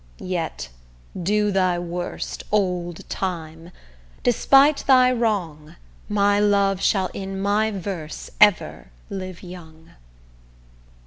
Yet do thy worst, old Time; despite thy wrong, My love shall in my verse ever live young.